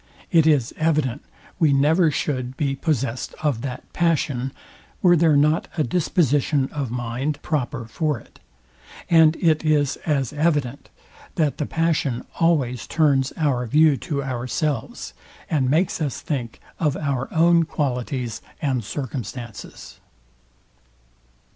It is evident we never should be possest of that passion, were there not a disposition of mind proper for it; and it is as evident, that the passion always turns our view to ourselves, and makes us think of our own qualities and circumstances.